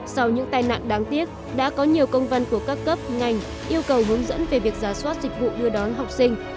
sau những tai nạn đáng tiếc đã có nhiều công văn của các cấp ngành yêu cầu hướng dẫn về việc giả soát dịch vụ đưa đón học sinh